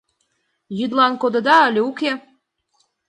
— Йӱдлан кодыда але уке?